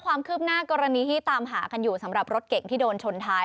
ความคืบหน้ากรณีที่ตามหากันอยู่สำหรับรถเก่งที่โดนชนท้าย